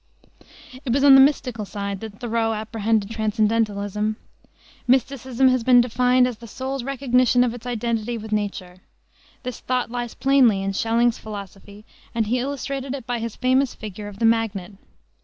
It was on the mystical side that Thoreau apprehended transcendentalism. Mysticism has been defined as the soul's recognition of its identity with nature. This thought lies plainly in Schelling's philosophy, and he illustrated it by his famous figure of the magnet.